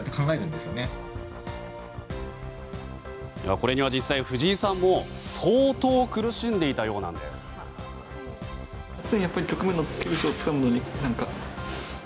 これには実際、藤井さんも相当苦しんでいたようなんです。